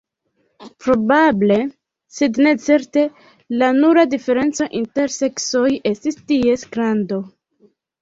Probable, sed ne certe, la nura diferenco inter seksoj estis ties grando.